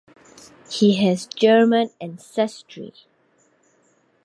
He has German ancestry.